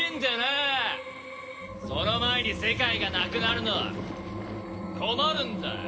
その前に世界がなくなるのは困るんだよ。